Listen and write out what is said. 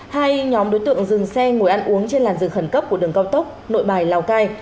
hai nhóm đối tượng dừng xe ngồi ăn uống trên làn rừng khẩn cấp của đường cao tốc nội bài lào cai